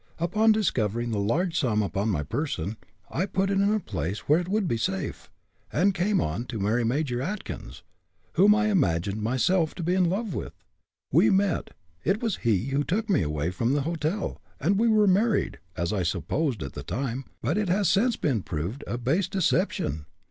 Upon discovering the large sum upon my person, I put it in a place where it would be safe, and came on to marry Major Atkins, whom I imagined myself to be in love with. We met it was he who took me away from the hotel and we were married, as I supposed, at the time, but it has since been proved a base deception.